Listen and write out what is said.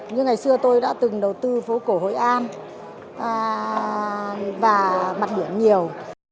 như ngày xưa tôi đã từng đầu tư phố cổ hội an và mặt biển nhiều